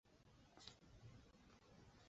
黄果树爬岩鳅为平鳍鳅科爬岩鳅属的鱼类。